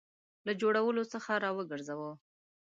له جوړولو څخه را وګرځاوه.